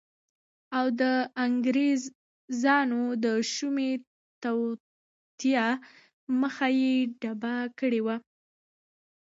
او د انګریزانو د شومی توطیه مخه یی ډبه کړی وه